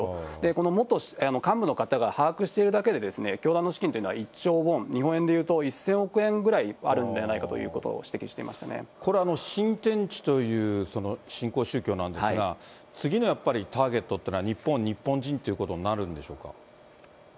この元幹部の方が把握しているだけで、教団の資金というのは１兆ウォン、日本円でいうと１０００億円ぐらいあるということを指摘していまこれ、新天地という新興宗教なんですが、次のやっぱりターゲットというのは日本、日本人ということになるんでしょうか。